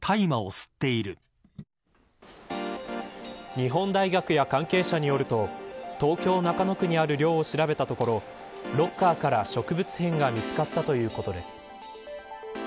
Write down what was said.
日本大学や関係者によると東京・中野区にある寮を調べたところロッカーから植物片が見つかったということです。